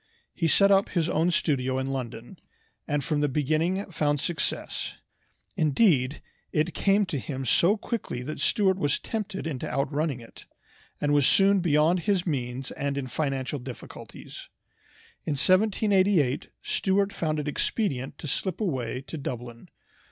He set up his own studio in London, and from the beginning found success. Indeed, it came to him so quickly that Stuart was tempted into outrunning it, and was soon beyond his means and in financial difficulties. In 1788 Stuart found it expedient to slip away to Dublin.